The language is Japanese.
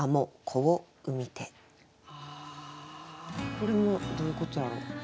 これもどういうことやろ？